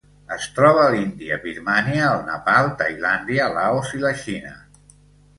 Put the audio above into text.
Es troba a l'Índia, Birmània, el Nepal, Tailàndia, Laos i la Xina.